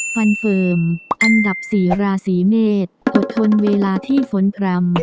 ฟันเฟิร์มอันดับ๔ราศีเมษอดทนเวลาที่ฝนพร่ำ